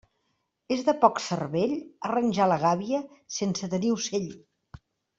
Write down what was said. És de poc cervell arranjar la gàbia sense tenir ocell.